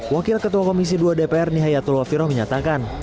wakil ketua komisi dua dpr nihaya tulwafiro menyatakan